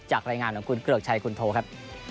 รายงานของคุณเกริกชัยคุณโทครับ